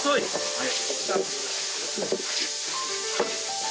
はい。